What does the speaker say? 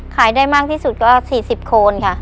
ขายได้มากที่สุดก็๔๐โคลนิเมตต์ค่ะ